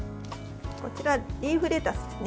こちらリーフレタスです。